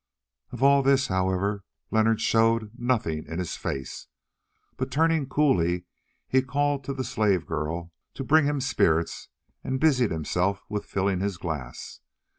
Of all this, however, Leonard showed nothing in his face, but turning coolly he called to a slave girl to bring him spirits and busied himself with filling his glass.